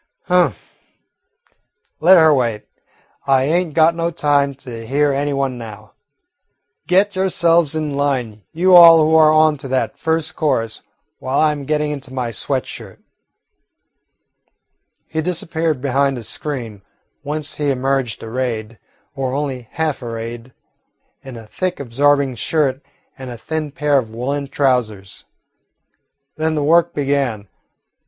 "Humph. Let her wait. I ain't got no time to hear any one now. Get yourselves in line, you all who are on to that first chorus, while I 'm getting into my sweat shirt." He disappeared behind a screen, whence he emerged arrayed, or only half arrayed, in a thick absorbing shirt and a thin pair of woollen trousers. Then the work began.